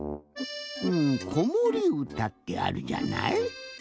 うん「こもりうた」ってあるじゃない？